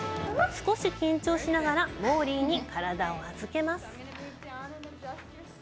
少し緊張しながらモーリーに体を預けます。